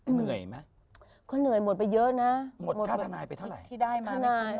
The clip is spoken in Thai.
เหนื่อยมั้ยเหนื่อยหมดไปเยอะนะหมดแคร์ทานายไปเท่าไหร่ที่ได้มา